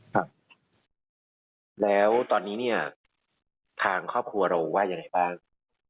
ครับแล้วตอนนี้เนี่ยทางครอบครัวเราว่ายังไงบ้าง